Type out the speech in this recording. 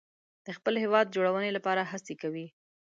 د خپل هیواد جوړونې لپاره هڅې کوي.